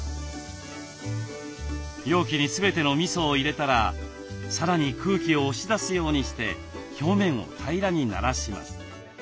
容器に全てのみそを入れたらさらに空気を押し出すようにして表面を平らにならします。